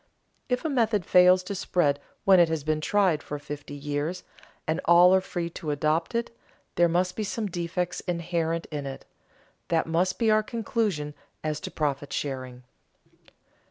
If a method fails to spread when it has been tried for fifty years and all are free to adopt it, there must be some defects inherent in it. That must be our conclusion as to profit sharing.